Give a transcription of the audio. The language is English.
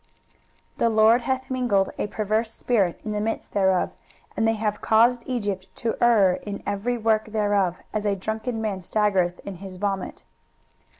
23:019:014 The LORD hath mingled a perverse spirit in the midst thereof: and they have caused Egypt to err in every work thereof, as a drunken man staggereth in his vomit.